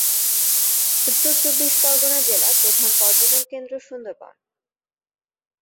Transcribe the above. উত্তর চব্বিশ পরগনা জেলার প্রধান পর্যটন কেন্দ্র সুন্দরবন।